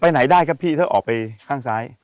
ไหนได้ครับพี่ถ้าออกไปข้างซ้าย